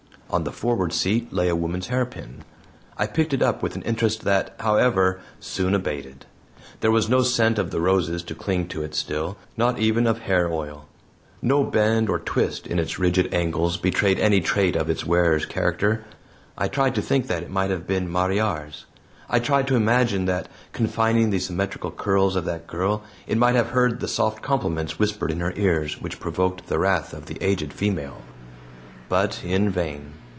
On the forward seat lay a woman's hairpin. I picked it up with an interest that, however, soon abated. There was no scent of the roses to cling to it still, not even of hair oil. No bend or twist in its rigid angles betrayed any trait of its wearer's character. I tried to think that it might have been "Mariar's." I tried to imagine that, confining the symmetrical curls of that girl, it might have heard the soft compliments whispered in her ears which provoked the wrath of the aged female. But in vain.